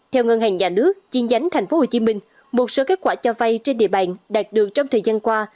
theo ngân hàng nhà nước chi nhánh tp hcm một số kết quả cho vay trên địa bàn đạt được trong thời gian qua